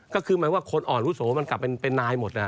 ก็คือหมายว่าคนอ่อนวุโสมันกลับเป็นนายหมด